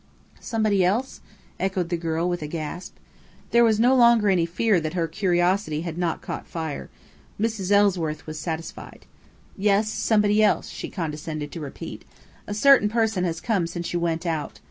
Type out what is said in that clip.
"Somebody else?" echoed the girl with a gasp. There was no longer any fear that her curiosity had not caught fire. Mrs. Ellsworth was satisfied. "Yes, somebody else," she condescended to repeat. "A certain person has come since you went out.